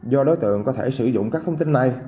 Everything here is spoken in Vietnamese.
do đối tượng có thể sử dụng các thông tin này